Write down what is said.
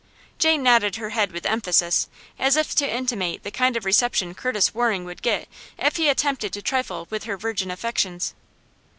Jane nodded her head with emphasis, as if to intimate the kind of reception Curtis Waring would get if he attempted to trifle with her virgin affections.